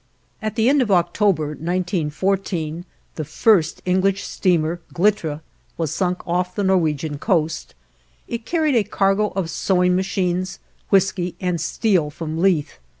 At the end of October, 1914, the first English steamer "Glitra" was sunk off the Norwegian coast. It carried a cargo of sewing machines, whisky, and steel from Leith.